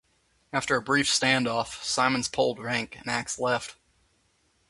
After a brief standoff, Simons pulled rank and Ax left.